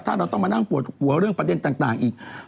ถ้าเราต้องมานั่งปวดหัวเรื่องประเด็นต่างอีก